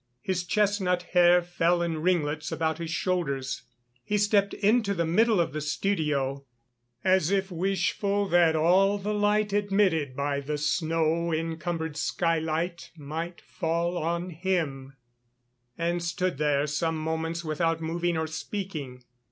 His chestnut hair fell in ringlets about his shoulders. He stepped into the middle of the studio, as if wishful that all the light admitted by the snow encumbered skylight might fall on him, and stood there some moments without moving or speaking.